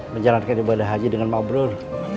menjalankan ibadah haji dengan mabrur